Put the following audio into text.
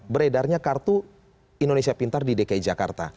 beredarnya kartu indonesia pintar di dki jakarta